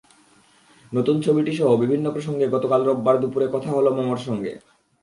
নতুন ছবিটিসহ বিভিন্ন প্রসঙ্গে গতকাল রোববার দুপুরে কথা হলো মমর সঙ্গে।